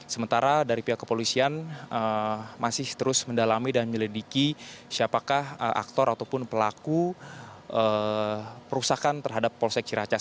sementara dari pihak kepolisian masih terus mendalami dan menyelidiki siapakah aktor ataupun pelaku perusahaan terhadap polsek ciracas